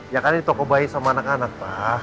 ya kan di toko bayi sama anak anak pak